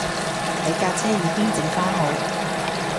你架車已經整番好